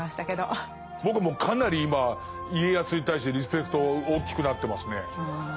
僕もかなり今家康に対してリスペクト大きくなってますね。